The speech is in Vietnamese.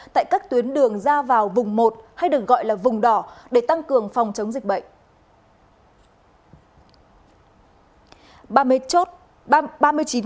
tại các tuyến đường ra vào vùng một hay được gọi là vùng đỏ để tăng cường phòng chống dịch bệnh